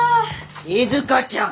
静ちゃん！